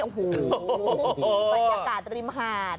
โอ้โหบรรยากาศริมหาด